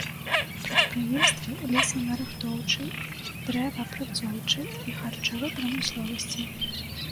Прадпрыемствы лесанарыхтоўчай, дрэваапрацоўчай і харчовай прамысловасці.